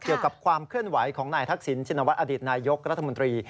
เกี่ยวกับความเคลื่อนไหวของนายทักษิณชินวัฒนอดีตนายกรัฐมนตรี